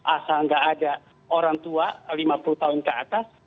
asal nggak ada orang tua lima puluh tahun ke atas